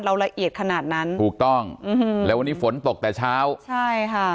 ละเอียดขนาดนั้นถูกต้องอืมแล้ววันนี้ฝนตกแต่เช้าใช่ค่ะ